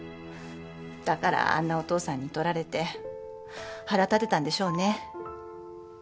だからあんなお父さんに取られて腹立てたんでしょうね。